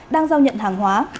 đang giao nhận hàng hóa